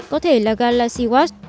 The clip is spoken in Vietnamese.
có thể là galaxy watch